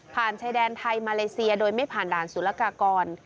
ชายแดนไทยมาเลเซียโดยไม่ผ่านด่านสุรกากร